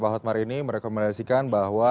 pak hotmar ini merekomendasikan bahwa